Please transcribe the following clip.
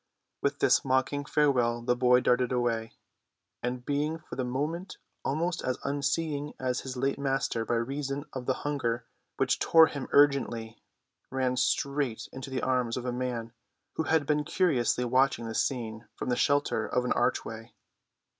With this mocking farewell the boy darted away, and, being for the moment almost as unseeing as his late master by reason of the hunger which tore him urgently, ran straight into the arms of a man who had been curiously watching the scene from the shelter of an archway.